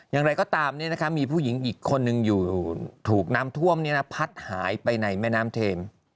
อย่างไรก็ตามมีผู้หญิงอีกคนนึงอยู่ถูกน้ำท่วมพัดหายไปในแม่น้ำเทม